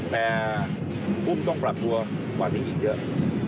แต่กุ้งต้องปรับตัวกว่านี้อีกเยอะ